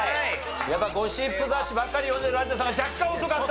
やっぱゴシップ雑誌ばっかり読んでる有田さんが若干遅かった。